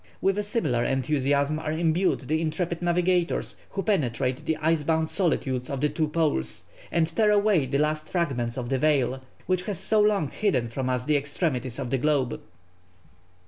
With a similar enthusiasm are imbued the intrepid navigators who penetrate the ice bound solitudes of the two poles, and tear away the last fragments of the veil which has so long hidden from us the extremities of the globe.